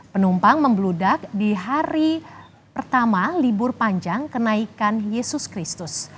penumpang membeludak di hari pertama libur panjang kenaikan yesus kristus